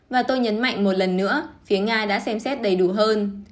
và tôi nhấn mạnh một lần nữa phía nga đã xem xét đầy đủ hơn